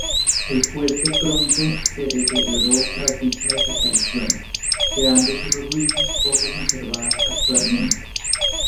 El fuerte pronto se deterioró tras dicha desaparición, quedando solo ruinas poco conservadas actualmente.